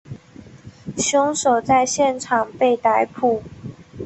凶手在现场被逮捕。